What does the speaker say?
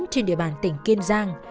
trên địa bàn tỉnh kiên giang